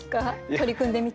取り組んでみて。